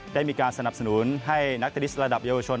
ได้มีการสนับสนุนให้นักเทนนิสระดับเยาวชน